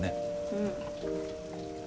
うん。